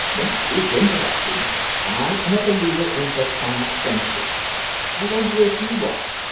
"That is interesting. I am a believer in platonic friendships. I wonder if you are."